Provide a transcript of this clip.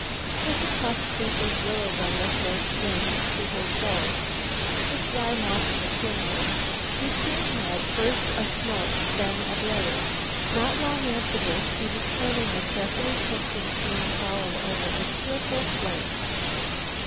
With a tough creeping willow runner for a string to his bow, with dry moss for tinder, he soon had, first a smoke, then a blaze. Not long after this, he was turning a carefully picked and cleaned fowl over a cheerful flame.